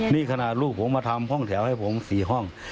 นี่ขนาดลูกผมมาทำห้องแถวให้ผม๔ห้อง